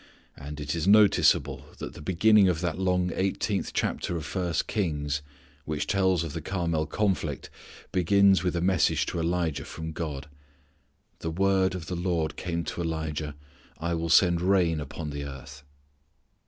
And it is notable that the beginning of that long eighteenth chapter of first Kings which tells of the Carmel conflict begins with a message to Elijah from God: "The word of the Lord came to Elijah: ... I will send rain upon the earth."